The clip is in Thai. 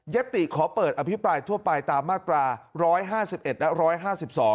ติขอเปิดอภิปรายทั่วไปตามมาตรา๑๕๑และ๑๕๒